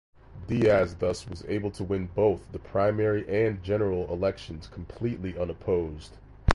Diaz thus was able to win both the primary and general elections completely unopposed.